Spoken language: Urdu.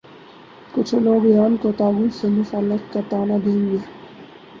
کچھ لوگ ایران کو طاغوت سے مصالحت کا طعنہ دیں گے۔